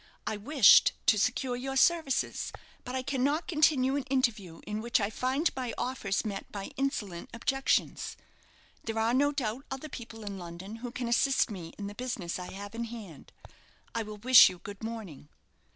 "I wished to secure your services; but I cannot continue an interview in which I find my offers met by insolent objections. There are, no doubt, other people in London who can assist me in the business I have in hand. I will wish you good morning."